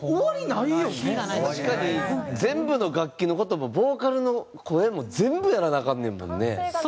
確かに全部の楽器の事もボーカルの声も全部やらなアカンねんもんね。